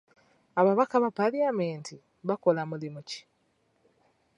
Ababaka ba paalamenti bakola mulimu ki?